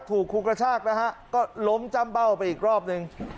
ถูกครูกระชากนะฮะก็ล้มจ้ำเบ้าไปอีกรอบนึง